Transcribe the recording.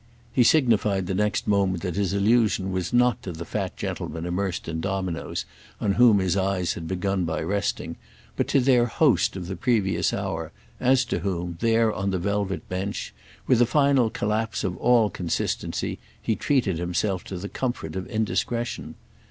He signified the next moment that his allusion was not to the fat gentleman immersed in dominoes on whom his eyes had begun by resting, but to their host of the previous hour, as to whom, there on the velvet bench, with a final collapse of all consistency, he treated himself to the comfort of indiscretion.